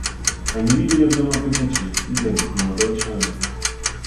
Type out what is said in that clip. Они видели в нем опрометчивость и дерзость молодого человека.